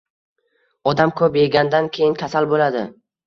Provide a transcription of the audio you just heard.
Odam ko‘p yegandan keyin kasal bo‘ladi.